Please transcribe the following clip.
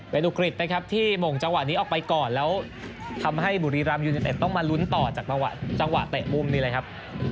เป็นอุกฤษนะครับที่หม่งจังหวะนี้ออกไปก่อนแล้วทำให้บุรีรำยูเนเต็ดต้องมาลุ้นต่อจากจังหวะเตะมุมนี้เลยครับ